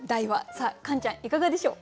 さあカンちゃんいかがでしょう？